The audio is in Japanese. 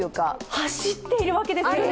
走っているわけですよね。